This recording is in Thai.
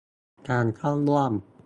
การเข้าร่วม